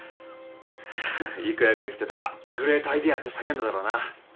郁弥が生きてたら「グレートアイデア」って叫んだだろうな。